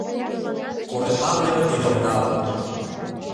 Корнетлан теве тидым нал.